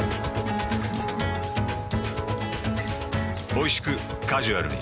おいしくカジュアルに。